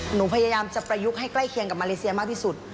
หนูพยายามจะประยุกต์ให้ใกล้เคียงกับมาเลเซียมากที่สุด